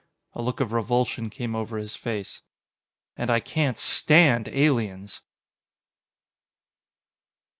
A look of revulsion came over his face. "And I can't stand aliens!"